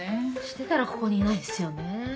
してたらここにいないですよね。